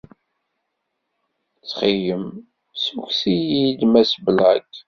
Ttxil-m, ssukk-iyi-d Mass Black.